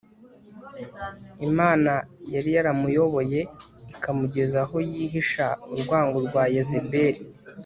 Imana yari yaramuyoboye ikamugeza aho yihisha urwango rwa Yezebeli